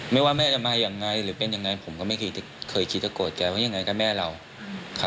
ว่าแม่จะมายังไงหรือเป็นยังไงผมก็ไม่เคยคิดจะโกรธแกว่ายังไงก็แม่เรา